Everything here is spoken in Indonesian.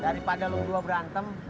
daripada lu berdua berantem